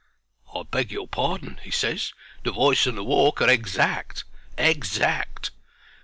"I beg your pardon," he ses; "the voice and the walk are exact. Exact."